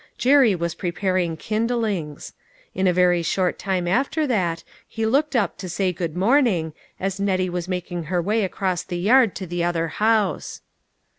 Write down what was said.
Jerry was preparing kindlings. In a very short time after that, he looked up to say good A GREAT UNDERTAKING. 89 morning, as Nettie was making her way across the yard to the other house.